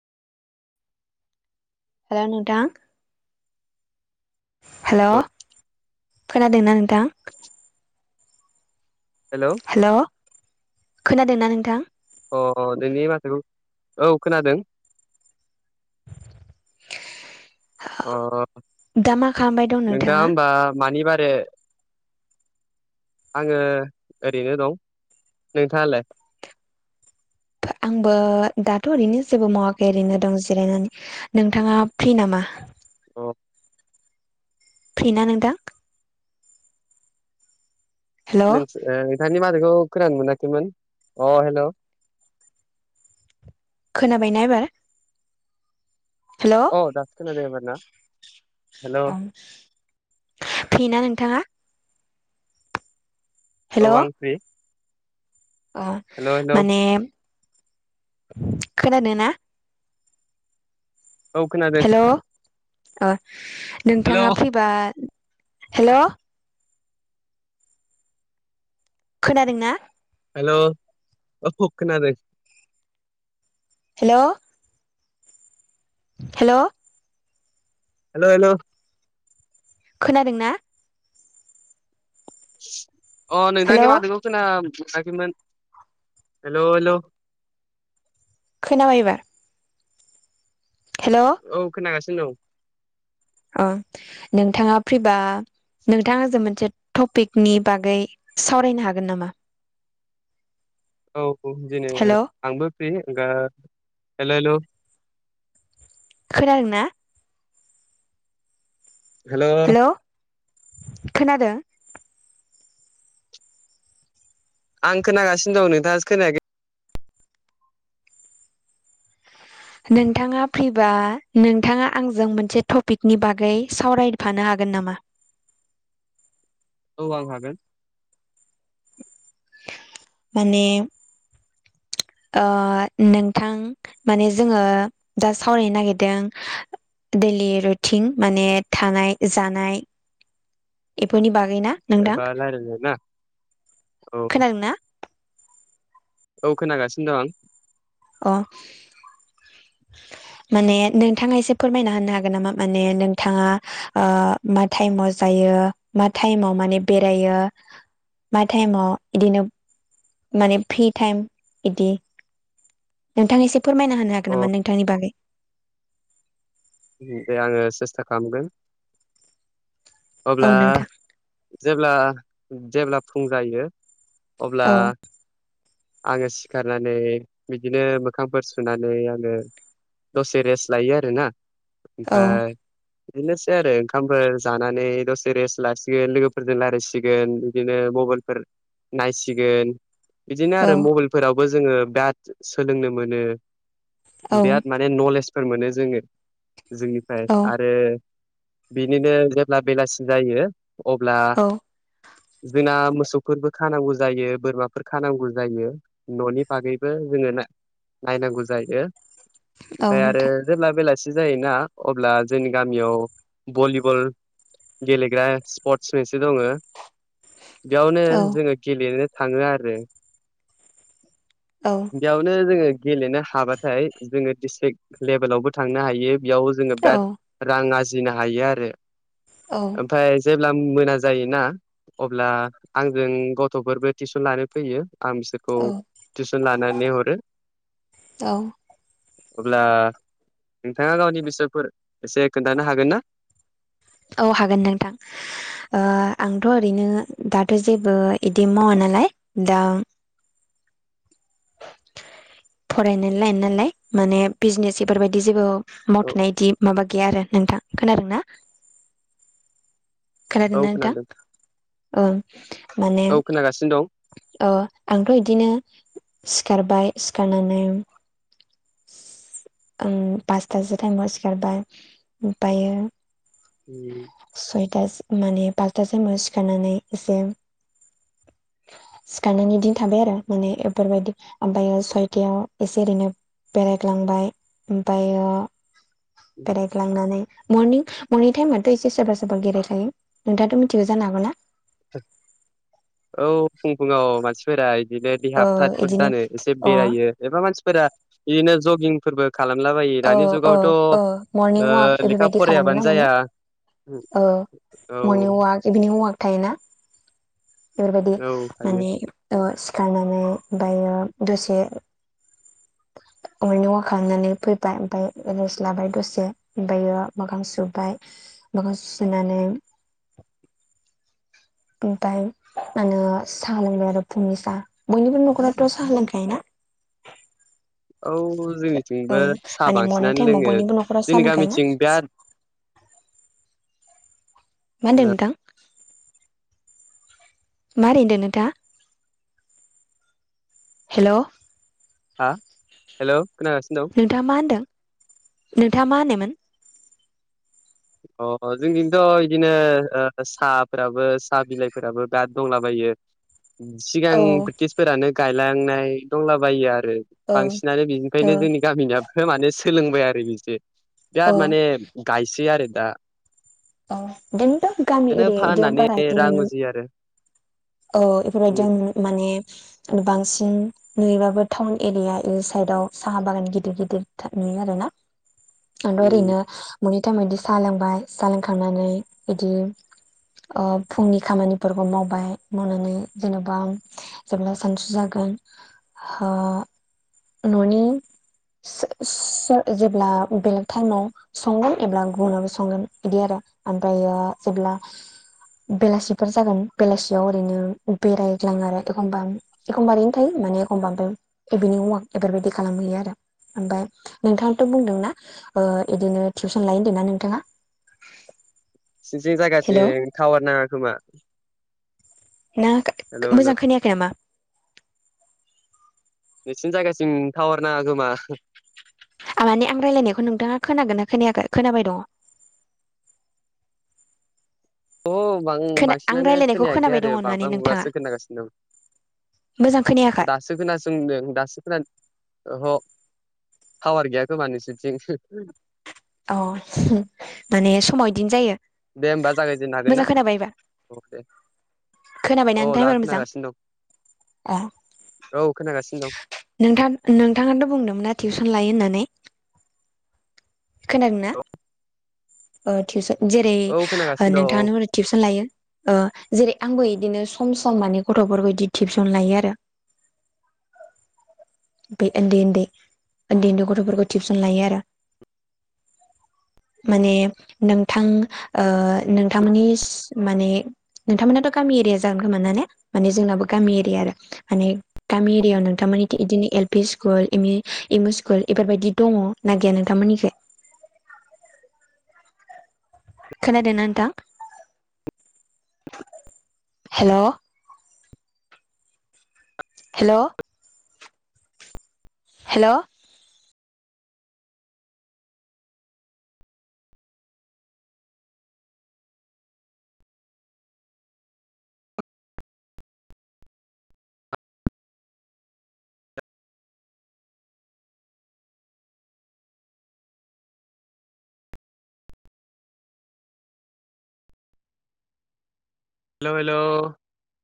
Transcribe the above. हेल' नोंथां हेल' खोनादोंना नोंथां हेलौ हेल' खोनादोंना नोंथां अ अ नोंनि माथोखौ औ खोनादों अ दा मा खालामबाय दं नोंथाङा? ओ मानि बारो आङो ओरैनो दं नोंथाङालाय? आंबो दाथ' ओरैनो जेबो मावाखै ओरैनो दं जिरायनानै नोंथाङा फ्रि नामा अ फ्रिना नोंथां हेलौ नों नोंथांनि माथौखौ खोनानो मोनाखैमोन अ हेल' खोनाबायना एबार हेलौ औ दासो खोनादों एबार ना हेल' [inaudible] फ्रिना नोंथाङा औ हेलौ आं फ्रि अ हेल' हेल' माने खोनादों ना औ खोनादों हेल अ हेल' नोंथाङा फिरि बा हेल' खोनादों ना हेल' अ खोनादों हेल' हेल' हेल' हेल' खोनादों ना अ नोंथांनि हेलौ माथौखौ खोनानो मोनाखैमोन हेल' हेल' खोनाबाय एबार हेल' औ खोनागासिनो दं अ नोंथाङा फ्रि बा नोंथाङा आंजों मोनसे टपिकनि बागै सावरायनो हागोन नामा औ बुं जेनेबा हेल' आंबो फ्रि गा हेलौ हेलौ खोनादों ना हेल' हेल' खोनादों आं खोनागासिनो दं नोंथाङासो खोनायाखै नोंथाङा फ्रिबा नोंथाङा आंजों मोनसे टपिकनि बागै सावरायफानो हागोन नामा औ आं हागोन माने ओ नोंथां माने जोङो दा सावरायनो नागिरदों डैलि रुटिन माने थानाय जानाय इफोरनि बागैना नोंथां एबा रायलायनो ना औ खोनादोंना औ खोनागासिनो दं आं अ माने नोंथाङा एसे फोरमायना होनो हागोन नामा माने नोंथाङा मा टाइमाव जायो मा टाइमाव माने बेरायो मा टाइमाव इदिनो माने फ्रि टाइम इदि नोंथां एसे फोरमायना होनो हागोन अ नामा नोंथांनि बागै दे आङो सेस्था खालामगोन औ अब्ला नोंथां जेब्ला जेब्ला फुं जायो अब्ला औ आङो सिखारनानै बिदिनो मोखांफोर सुनानै आङो दसे रेस्ट लायो आरोना औ ओमफाय बिदिनोसै आरो ओंखामफोर जानानै दसे रेस्ट लासिगोन लोगोफोरजों रालायसिगोन बिदिनो मबाइलफोर नायसिगोन बिदिनो आरो औ मबाइल फोरावबो जोङो बिराद सोलोंनो मोनो औ बिराद मा ने नलेजफोर मोनो जोङो जोंनिफ्राय औ आरो बिनिनो जेब्ला बेलासि जायो अब्ला औ जोंना मोसौफोरबो खानांगौ जायो बोरमाफोर खानांगौ जायो न'नि बागैबो जोङो नायनांगौ जायो औ ओमफाय आरो नोंथां जेब्ला बेलासि जायोना अब्ला जोंनि गामियाव भलिबल गेलेग्रा स्पर्टस मोनसे दङो बेयावनो औ जोङो गेलेनो थाङो आरो औ बेयावनो जोङो गेलेनो हाबाथाय जोङो डिस्ट्रिक लेबेलावबो थांनो हायो बेयाव जोङो औ बिराद रां आरजिनो हायो आरो औ ओमफ्राय जेब्ला मोना जायोना अब्ला आंजों गथ'फोरबो टिउसन लानो फैयो आं बिसोरखौ औ टिउसन लानानै हरो अब्ला नोंथाङा गावनि बिसयफोर एसे खोन्थानो हागोन ना औ हागोन नोंथां आंथ' ओरैनो दाथ' जेबो इदि मावा नालाय दा फरायनायनि लाइन नालाय माने बिजनेस इफोरबायदि जेबो औ मावथ'नाय इदि माबा गैया आरो नोंथां खोनादों ना औ खोनादोंना नोंथां खोनादों औ माने औ खोनागासिनो दं अ आंथ' इदिनो सिखारबाय सिखारनानै पासथासो टाइमाव सिखारबाय ओमफायो [unintelligible] सयथा माने पासथासोमाव सिखारनानै एसे सिखारनानै इदिनो थाबाय आरो माने बेफोरबायदि ओमफ्रायो सयथायाव एसे ओरैनो बेरायग्लांबाय ओमफ्रायो बेरायग्लांनानै मरनिं मरनिं टाइमाथ' एसे सोरबा सोरबा बेराय नै नोंथाङाथ' मिथिगो जानो हागौ ना? औ फुं फुङाव मानसि फोरा इदिनो देहा ओ फ्राथ फ्रोद इदिनो जानो एसे अ बेरायो एबा मानसिफोरा इदिनो जगिंफोरबो खालामलाबायो ओ दानि जुगावथ' ओ मरनिं वाक लेखा बेफोरबायदि खालामो ना फरायाबानो माने जाया। ओ मर्निं औ अवाक इभिनिं वाक थायोना बेफोरबायदि औ हायो माने ओ सिखारनानै दायो दसे मर्निं अवाक खालामनानै फैबाय ओमफ्राय रेस्ट लाबाय दसे ओमफ्रायो मोखां सुबाय मोखां सुनानै ओमफाय मा होनो सा लोंबाय आरो फुंनि सा बयनिबो नखराथ' सा लोंखायो ना? औ [inaudible] ओ जोंनिथिंबो साहा माने मरनिं बांसिनानो टाइमाव लोङो बयनिबो नखरा जोंनि सा लोंखायो ना? गामिथिं बिराद मा होनदो ओ नोंथां? मा रादो नोंथाङा हेल' हा हेल' खोनागासिनो दं। नोंथाङा मा होनदों नोंथाङा मा होननायमोन अ जोंजोंथ' इदिनो ओ साफोराबो सा बिलाइफोराबो बिराद दंलाबायो। सिगां औ ब्रिटिसफोरानो गायलांनाय दंलाबायो आरो। औ बांसिनानो औ बिनिफायनो जोंनि गामिनियाबो माने सोलोंबाय आरो बि जे [unintelligible] औ बिराद माने गायसै आरो दा अ इदिनोथ' गामि बिदिनो एरिया इदियाव फाननानै बारा इदि रां नुनो उजियो आरो औ उम इफोरबायदियाव माने बांसिन नुयोबाबो टाउन एरिया इ साइदाव साहा बागान गिदिर गिदिर नुयो आरोना। आंथ' उम ओरैनो मोनै टाइमाव इदि साहा लोंबाय साहा लोंखांनानै इदि अ फुंनि खामानिफोरखौ मावबाय। मावनानै जेनेबा जेब्ला सानसु जागोन ओ न'नि सो सोर जेब्ला बेलेग टाइमाव संगोन एब्ला गुबुनावो संगोन इदि आरो ओमफ्रायो जेब्ला बेलासेफोर जागोन बेलास सेयाव ओरैनो बेरायग्लाङो आरो एखमबा एखमबा ओरैनो थायो माने एखमबा ए बेनि बेनि मुवा बेफोरबायदि खालामहैयो आरो। ओमफ्राय नोंथाङाथ' बुंदोंना ओ बिदिनो टिउसन लाय होनदों ना नोंथाङा? नोंसिनिथिं हेलौ जायगाथिं टावार नाङा खोमा नों हेलौ हेलौ मोजां खोनायाखै नामा? नोंसिनि जायगासिम थावरनाङा खोमा? आं माने आं रायलायनायखौ नोंथाङा खोनागोनना खोनायाखै खोनाबाय दङ। अ बां खोना आं बांसिनानो रायलायनायखौ खोनायाखै खोनाबाय दङ आरो माने बांब्रा नोंथाङा बुब्रासो खोनागासिनो दं। मोजां खोनायाखै? दासो खोनासंदों दासो खोना अह टावार गैय खोमा नोंसिनिथिं अ माने समाव इदिनो जायो दे ओमबा जागायजेननो हागोन मोजां ना खोनाबायबा औ दे? खोनाबायना अ नोंथां दा एबार मोजां खोनागासिनो अ दं औ खोनागासिनो दं। नोंथां नोंथाङाथ' बुंदोंमोन ना टिउसन लायो होननानै खोनादोंना दं ओ टिउसन जेरै औ खोनागासिनो नोंथाङानो हरै टिबसन लायो ओ जेरै आंबो इदिनो सम सम माने गथ'फोरखौ इदि टिबसन लायो आरो। बै ओन्दै ओन्दै ओन्दै ओन्दै गथ'फोरखौ टिबसन लायो आरो। माने नोंथां ओ नोंथांमोननि माने नोंथांमोनाथ' गामि एरिया जागोन खोमा ना ने माने जोंनाबो गामि एरिया आरो माने गामि एरियायाव नोंथांमोनिखै इदिनो L P school M E school बेफोरबायदि दङ ना गैया नोंथांमोननिखौ खोनादोंना नोंथां हेल' हेल' हेल' हेल' हेल'